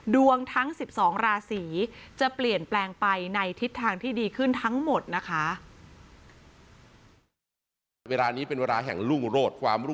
ดวงทั้ง๑๒ราศีจะเปลี่ยนแปลงไปในทิศทางที่ดีขึ้นทั้งหมดนะคะ